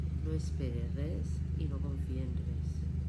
No espere res i no confie en res.